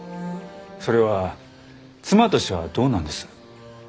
それは妻としてはどうなんです？